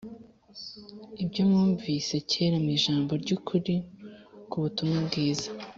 ibyo mwumvise kera mu ijambo ry’ukuri k’ubutumwa bwiza